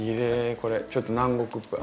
これちょっと南国っぽい。